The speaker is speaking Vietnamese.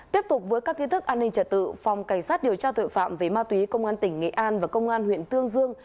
tiếp tục với các tin tức an ninh trật tự phòng cảnh sát điều tra tội phạm về ma túy công an tỉnh nghệ an và công an huyện tương dương